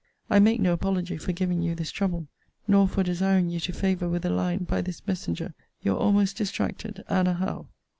I make no apology for giving you this trouble, nor for desiring you to favour with a line, by this messenger, Your almost distracted ANNA HOWE.